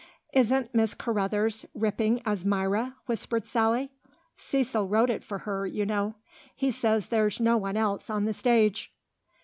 "Isn't Miss Carruthers ripping as Myra," whispered Sally. "Cecil wrote it for her, you know. He says there's no one else on the stage."